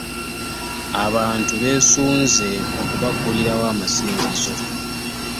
Abantu beesunze okubaggulilawo amasinzi zo.